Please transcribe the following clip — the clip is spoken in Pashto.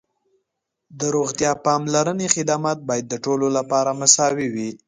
د روغتیا پاملرنې خدمات باید د ټولو لپاره مساوي وي.